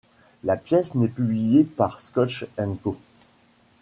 La pièce n'est publiée par Schott & Co.